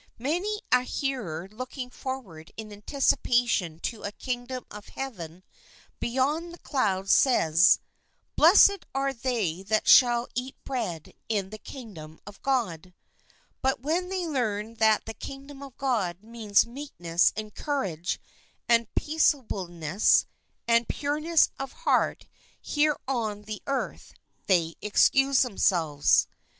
Many a hearer looking forward in anticipation to a Kingdom of Heaven beyond the clouds says, " Blessed are they that shall eat bread in the Kingdom of God "; but when they learn that the Kingdom of God means meekness and courage and peaceableness and pureness of heart here on the earth, they excuse themselves.